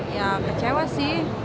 ya kecewa sih